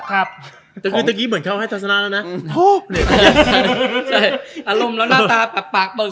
ครับแต่คือเมื่อกี้เหมือนเข้าให้ทัศนาแล้วน่ะอืมโฮหรือใช่อารมณ์แล้วหน้าตาแปลกปากเปิด